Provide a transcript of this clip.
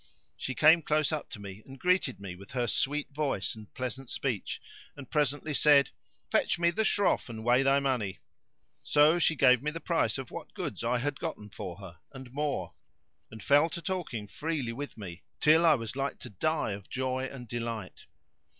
She came close up to me and greeted me with her sweet voice and pleasant speech and presently said, "Fetch me the Shroff and weigh thy money."[FN#558] So she gave me the price of what goods I had gotten for her and more, and fell to talking freely with me, till I was like to die of joy and delight.